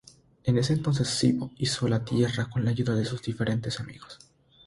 En ese entonces Sibö hizo la tierra con la ayuda de sus diferentes amigos.